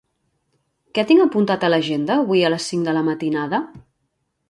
Què tinc apuntat a l'agenda avui a les cinc de la matinada?